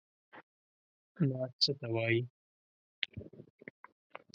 نعت څه ته وايي؟